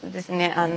あの。